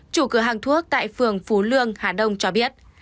chủ cửa hàng thuốc tại phường phú lương hà đông cho biết